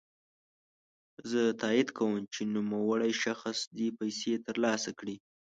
زه تاييد کوم چی نوموړی شخص دي پيسې ترلاسه کړي.